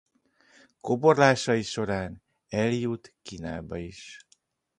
Kóborlásai során eljut Kínába is.